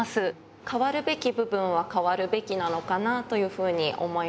変わるべき部分は変わるべきなのかなというふうに思います。